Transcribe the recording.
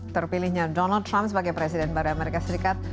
terpilihnya donald trump sebagai presiden baru amerika serikat